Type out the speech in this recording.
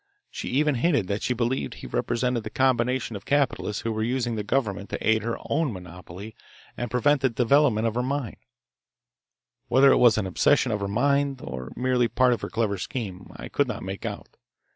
She even hinted that she believed he represented the combination of capitalists who were using the government to aid their own monopoly and prevent the development of her mine. Whether it was an obsession of her mind, or merely part of her clever scheme, I could not make out.